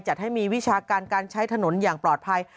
จัดให้มีวิชาการการใช้ถนนอย่างปลอดภัย